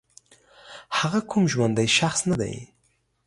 هغه کوم ژوندی شخص نه دی